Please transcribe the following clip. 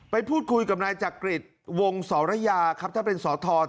ไปพูดคุยกับนักจากกฤษวงศรยาครับถ้าเป็นศรธาตรข้อ